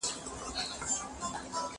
که وخت وي، شګه پاکوم!؟